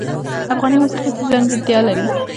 افغاني موسیقی څه ځانګړتیا لري؟